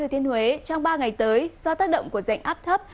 trong ba ngày tới do tác động của dạnh áp thấp